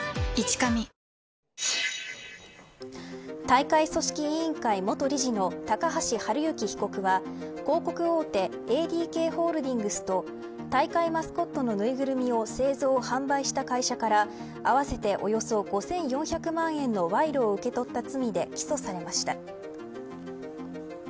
大会組織委員会元理事の高橋治之被告は広告大手ＡＤＫホールディングスと大会マスコットのぬいぐるみを製造、販売した会社から合わせておよそ５４００万円の賄賂を受け取った罪で起訴されました。